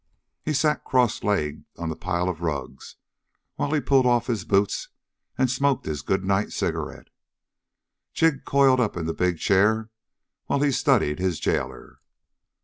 He sat cross legged on the low pile of rugs, while he pulled off his boots and smoked his good night cigarette. Jig coiled up in a big chair, while he studied his jailer.